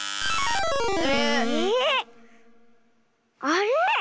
あれ⁉